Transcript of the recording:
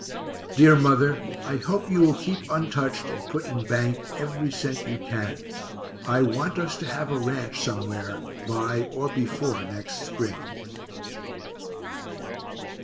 Dear Mother, I hope you will keep untouched and put in bank every cent you can. I want us to have a ranch somewhere by or before next spring.